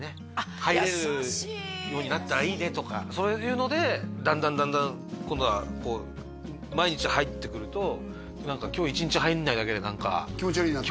何かなったらいいねとかそういうのでだんだんだんだん今度はこう毎日入ってくると今日一日入らないだけで何か気持ち悪いなって？